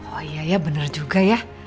oh iya ya bener juga ya